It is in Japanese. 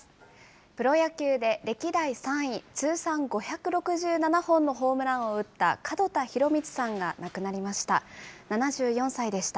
プロ野球で歴代３位、通算５６７本のホームランを打った門田博光さんが亡くなりました。